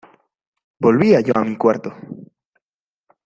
Volvía yo a mi cuarto.